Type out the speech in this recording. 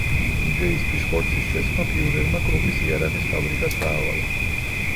იდეისთვის ხორცის შესხმა ფიურერმა კრუპის იარაღის ფაბრიკას დაავალა.